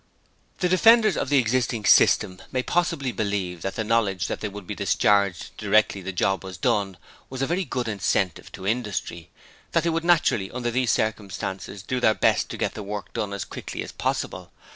The defenders of the existing system may possibly believe that the knowledge that they would be discharged directly the job was done was a very good incentive to industry, that they would naturally under these circumstances do their best to get the work done as quickly as possible.